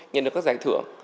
nhận được các giải thưởng